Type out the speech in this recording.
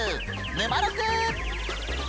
「ぬまろく」！